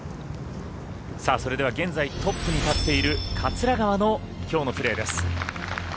それでは現在トップに立っている桂川のきょうのプレーです。